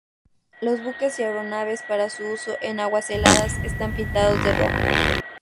Los buques y aeronaves para su uso en aguas heladas están pintados de rojo.